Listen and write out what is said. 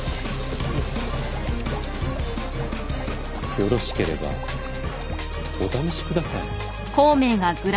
よろしければお試しください。